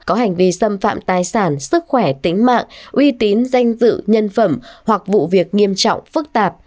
có hành vi xâm phạm tài sản sức khỏe tính mạng uy tín danh dự nhân phẩm hoặc vụ việc nghiêm trọng phức tạp